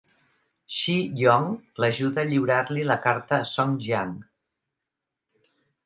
Shi Yong l'ajuda a lliurar-li la carta a Song Jiang.